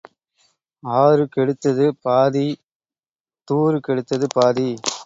ஆறு கெடுத்தது பாதி தூறு கெடுத்தது பாதி.